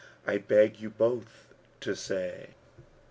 I beg you both to say.'